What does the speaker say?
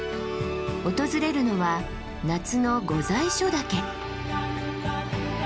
訪れるのは夏の御在所岳。